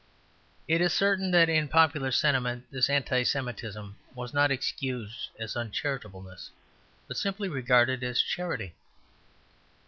It is certain that in popular sentiment, this Anti Semitism was not excused as uncharitableness, but simply regarded as charity.